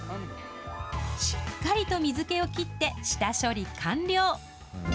しっかりと水けを切って、下処理完了。